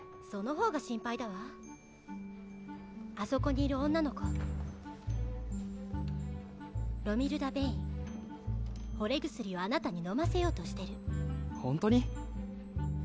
その方が心配だわあそこにいる女の子ロミルダ・ベイン惚れ薬をあなたに飲ませようとしてるホントに？